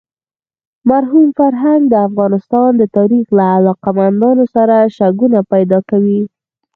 مرحوم فرهنګ د افغانستان د تاریخ له علاقه مندانو سره شکونه پیدا کوي.